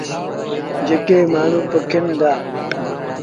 جيڪي مآڻهوٚݩ پوکين دآ۔